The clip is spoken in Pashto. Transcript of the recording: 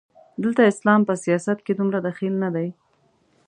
دلته اسلام په سیاست کې دومره دخیل نه دی.